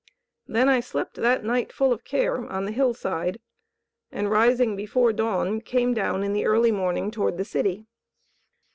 Then I slept that night, full of care, on the hillside, and rising before dawn, came down in the early morning toward the city.